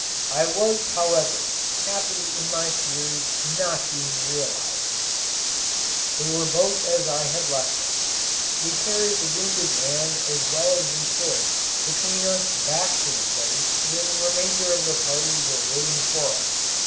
I was, however, happy in my fears not being realized. They were both as I had left them. We carried the wounded man as well as we could between us back to the place where the remainder of the party were waiting for us.